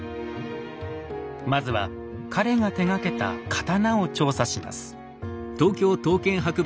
まずは彼が手がけた刀を調査します。